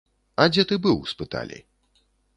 А дзе ты быў, спыталі.